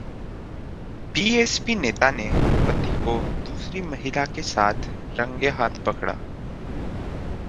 BSP नेता ने पति को दूसरी महिला के साथ रंगे हाथ पकड़ा